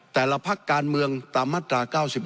แต่ละพักการเมืองตามมาตรา๙๑